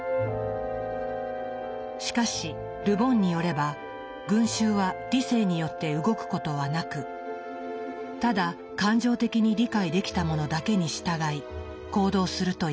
しかしル・ボンによれば群衆は理性によって動くことはなくただ感情的に理解できたものだけに従い行動するといいます。